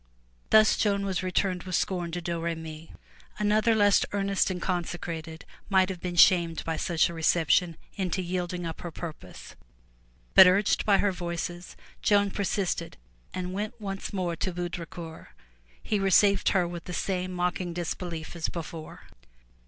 '' Thus Joan was returned with scorn to Domremy. Another less earnest and consecrated, might have been shamed by such a reception into yielding up her purpose. But urged by her Voices, Joan persisted and went once more to Baudricourt. He received her with the same mocking disbelief as before.